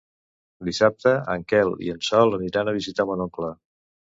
Dissabte en Quel i en Sol aniran a visitar mon oncle.